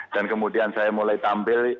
dan kemudian saya mulai tampil